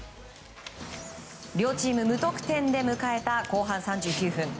両チーム無得点で迎えた後半３９分。